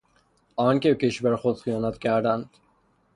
آنان که به کشور خود خیانت کردند